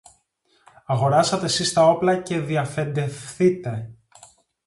Αγοράσετε σεις τα όπλα και διαφεντευθείτε"